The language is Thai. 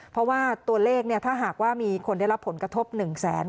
เพราะว่าตัวเลขถ้าหากว่ามีคนได้รับผลกระทบ๑แสน